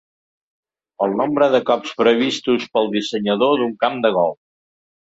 El nombre de cops previstos pel dissenyador d'un camp de golf.